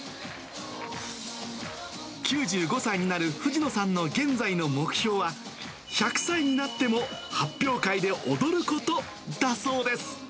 ９５歳になる藤野さんの現在の目標は、１００歳になっても発表会で踊ることだそうです。